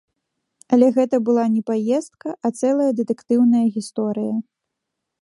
Але гэта была не паездка, а цэлая дэтэктыўная гісторыя.